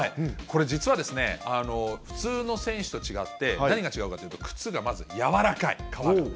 これ、実は、普通の選手と違って、何が違うかというと靴がまず軟らかい、革が。